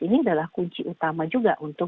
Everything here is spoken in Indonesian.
ini adalah kunci utama juga untuk